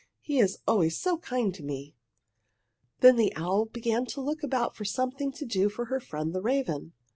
He is always so kind to me!" Then the owl began to look about for something to do for her friend the raven.